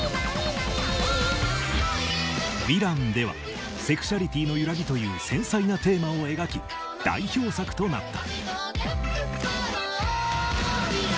「ヴィラン」ではセクシャリティーの揺らぎという繊細なテーマを描き代表作となった。